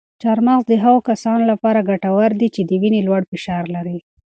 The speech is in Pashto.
چهارمغز د هغو کسانو لپاره ګټور دي چې د وینې لوړ فشار لري.